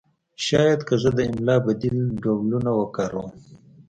شاید که زه د املا بدیل ډولونه وکاروم